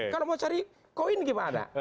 kalau mau cari koin gimana